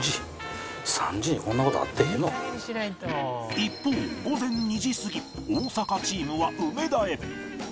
一方午前２時過ぎ大阪チームは梅田へ